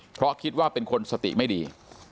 เพราะคิดว่าเป็นคนสติไม่ดี